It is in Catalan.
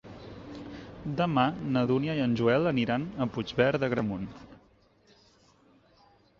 Demà na Dúnia i en Joel aniran a Puigverd d'Agramunt.